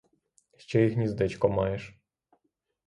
Ще й гніздечко маєш.